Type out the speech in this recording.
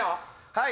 はい。